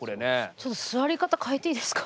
ちょっと座り方変えていいですか。